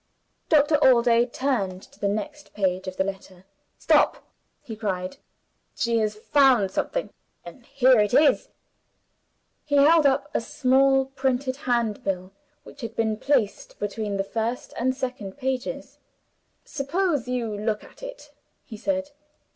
Doctor Allday turned to the next page of the letter. "Stop!" he cried. "She has found something and here it is." He held up a small printed Handbill, which had been placed between the first and second pages. "Suppose you look at it?" he said.